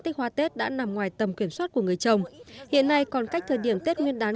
tích hoa tết đã nằm ngoài tầm kiểm soát của người trồng hiện nay còn cách thời điểm tết nguyên đán